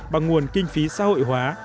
bằng nguồn kinh phí xã hội hóa